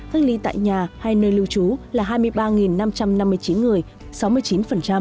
cách ly tại nhà hay nơi lưu trú là hai mươi ba năm trăm năm mươi chín người sáu mươi chín